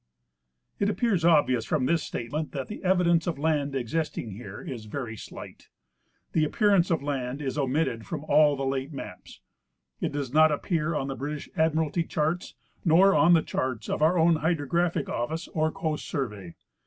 It appears obvious from this statement that the evidence of land existing here is very slight. The appearance of land is omitted from all the late maps. It does not appear on the British Admiralty charts, nor on the charts of our own Hy drographic Office or Coast Survey.